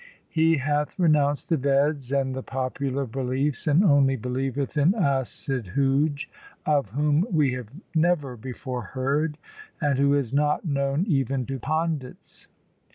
He hath renounced the Veds and the popular beliefs, and only believeth in Asidhuj, 1 of whom we have never before heard, and who is not known even to pandits.